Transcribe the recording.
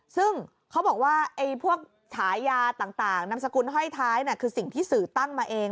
ซึ่งเขาบอกว่าพวกฉายาต่างนามสกุลห้อยท้ายคือสิ่งที่สื่อตั้งมาเอง